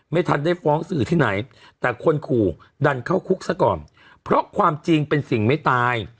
ไม่ทันได้ฟ้องสื่อที่ไหนแต่คนขู่ดันเข้าคุกซะก่อนเพราะความจริงเป็นสิ่งไม่ตาย